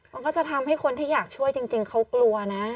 มันก็จะทำให้คนที่อยากช่วยจริงเขากลัวนะ